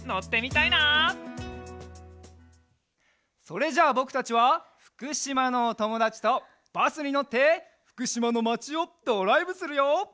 それじゃあぼくたちはふくしまのおともだちとバスにのってふくしまのまちをドライブするよ！